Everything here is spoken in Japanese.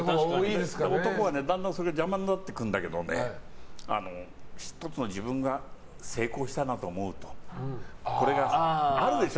男は、だんだん邪魔になってくるんだけど１つ、自分が成功したなと思うとあるでしょ？